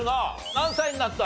何歳になった？